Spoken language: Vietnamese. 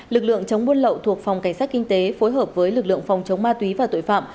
lực lượng chống buôn lậu thuộc phòng cảnh sát kinh tế phối hợp với lực lượng phòng chống ma túy và tội phạm